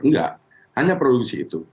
enggak hanya produksi itu